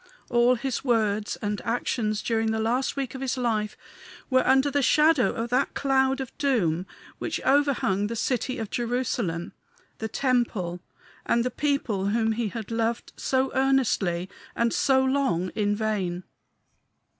All his words and actions during the last week of his life were under the shadow of that cloud of doom which overhung the city of Jerusalem, the temple, and the people whom he had loved, so earnestly and so long, in vain.